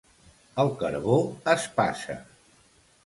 El carbó es passa.